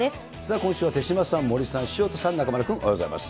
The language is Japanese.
今週は手嶋さん、森さん、潮田さん、中丸君、おはようございます。